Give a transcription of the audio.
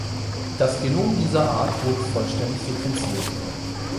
Das Genom dieser Art wurde vollständig sequenziert.